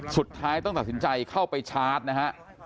สุดท้ายต้องตัดสินใจเข้าไปชาร์จนะฮะ